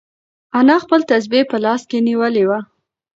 انا خپل تسبیح په لاس کې نیولې وه.